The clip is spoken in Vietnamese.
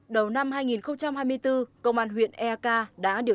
đầu năm hai nghìn hai mươi bốn công an huyện eak đã điều tra tình hình tình dụng đen